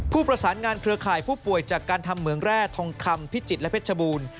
ผู้ประสานงานเครือข่ายผู้ป่วยจากการทำเหมืองแร่ทองคำพิจิตรและเพชรบูรณ์